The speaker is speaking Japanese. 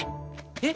えっ？